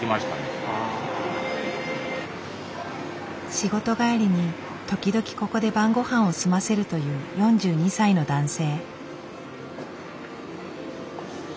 仕事帰りに時々ここで晩ごはんを済ませるという４２歳の男性。